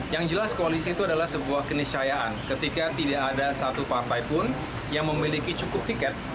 yang jelas koalisi itu adalah sebuah keniscayaan ketika tidak ada satu partai pun yang memiliki cukup tiket